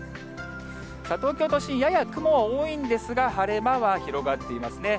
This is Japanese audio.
東京都心、やや雲多いんですが、晴れ間が広がっていますね。